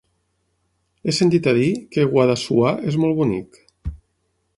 He sentit a dir que Guadassuar és molt bonic.